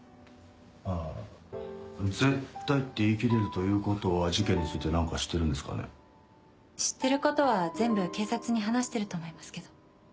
あぁ「絶対」って言い切れるということは事件について何か知ってるんですかね？知ってることは全部警察に話してると思いますけど。